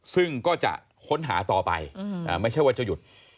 ซึ่งก็จะค้นหาต่อไปไม่ใช่ว่าจะหยุด